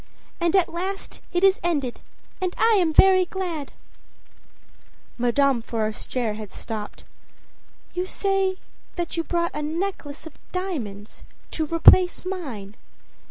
At last it is ended, and I am very glad.â Madame Forestier had stopped. âYou say that you bought a necklace of diamonds to replace mine?